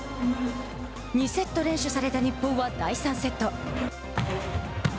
２セット連取された日本は第３セット。